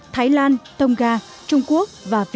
thái lan tonga trung quốc